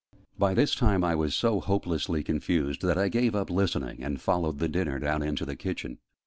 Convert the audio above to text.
By this time I was so hopelessly confused that I gave up listening, and followed the dinner down into the kitchen.